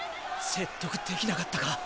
説得できなかったか。